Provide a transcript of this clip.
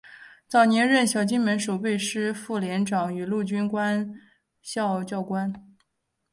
早年任小金门守备师副连长与陆军官校教官。